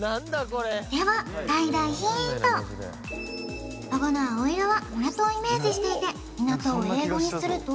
これでは大大ヒーントロゴの青色は港をイメージしていて港を英語にすると？